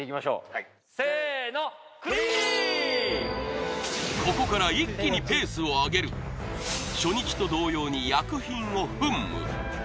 はいここから一気にペースを上げる初日と同様に薬品を噴霧